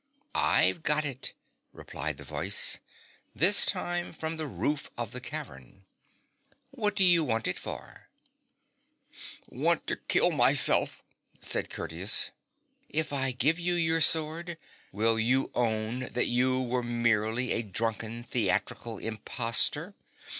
' I've got it,' replied the voice, this time from the roof of the THE BOTTOM OF THE GULF cavern ;' what do you want it for ?'' Want to kill myself/ said Cur tius. ' If I give you your sword, will you own that you were merely a drunken theatrical impostor